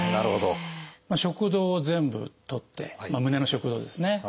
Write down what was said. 食道を全部取って胸の食道ですね。